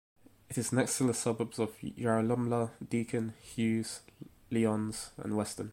It is next to the suburbs of Yarralumla, Deakin, Hughes, Lyons and Weston.